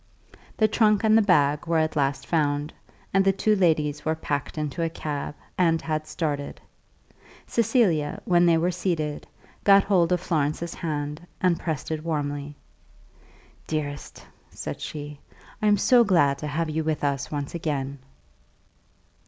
The trunk and the bag were at last found; and the two ladies were packed into a cab, and had started. Cecilia, when they were seated, got hold of Florence's hand, and pressed it warmly. "Dearest," she said, "I am so glad to have you with us once again."